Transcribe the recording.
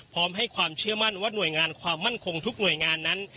พร้อมให้ความเชื่อมั่นว่าหน่วยงานความมั่นคงทุกหน่วยงานนั้น